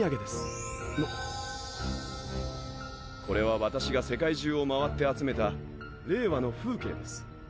これは私が世界中をまわって集めた令和の風景です。